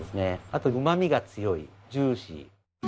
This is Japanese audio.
あとうまみが強いジューシー。